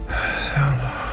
ya allah ya allah